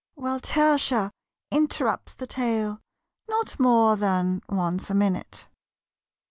'' While Tertia interrupts the tale Not more than once a minute.